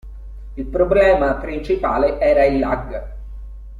Il problema principale era il lag.